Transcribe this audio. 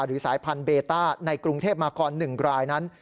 สายพันธุเบต้าในกรุงเทพมาคร๑รายนั้น